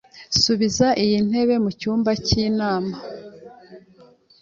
Subiza iyi ntebe mu cyumba cy'inama.